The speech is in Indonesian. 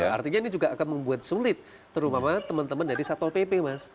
artinya ini juga akan membuat sulit terutama teman teman dari satpol pp mas